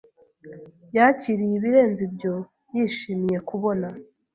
yakiriye ibirenze ibyo yishimiye kubona